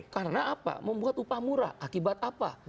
karena apa membuat upah murah akibat apa